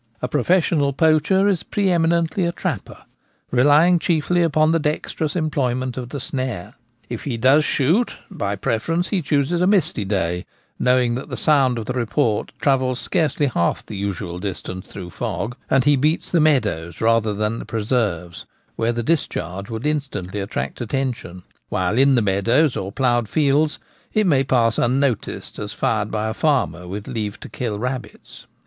A professional poacher is pre eminently a trapper, relying chiefly upon the dexterous employment of the snare. If he does shoot, by preference he chooses a misty day, knowing that the sound of the report travels scarcely half the usual distance through fog ; and he beats the meadows rather than the preserves, where the dis charge would instantly attract attention, while in the meadows or ploughed fields it may pass unnoticed as fired by a farmer with leave to kill rabbits.